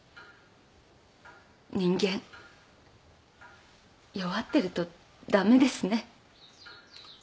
人間弱ってると駄目ですね。